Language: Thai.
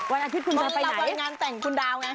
วันอาทิตย์คุณจะไปไหนคุณดาวไงดาวไง